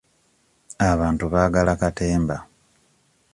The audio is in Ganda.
Abantu baagala katemba.